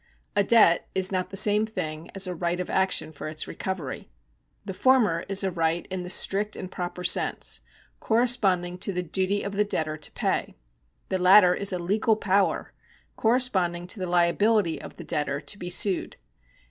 A debt is not the same thing as a right of action for its recovery. The former is a right in the strict and proper sense, corresponding to the duty of the debtor to pay ; the latter is a legal power, corre sponding to the liability of the debtor to be sued.